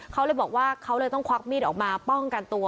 เขาเลยบอกว่าเขาเลยต้องควักมีดออกมาป้องกันตัว